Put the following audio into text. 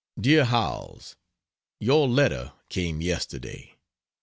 DEAR HOWELLS, Your letter came yesterday.